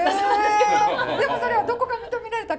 でもそれはどこか認められた。